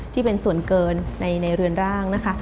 ที่เป็นส่วนเกินในเรือนร่างนะคะ